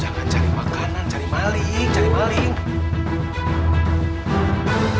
jangan cari makanan cari maling cari maling